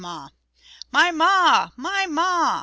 "My ma! my ma!"